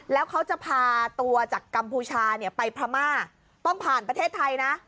แล้วเขาจะพาตัวจากกัมพูชาไปพม่าต้องผ่านประเทศไทยนะ